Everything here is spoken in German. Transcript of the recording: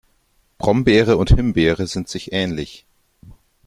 Brombeere und Himbeere sind sich ähnlich.